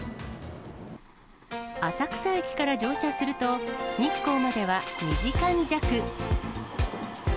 浅草駅から乗車すると、日光までは２時間弱。